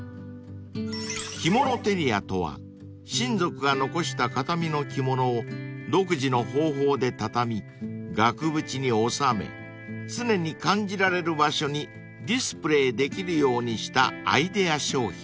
［きものテリアとは親族が残した形見の着物を独自の方法で畳み額縁に収め常に感じられる場所にディスプレーできるようにしたアイデア商品］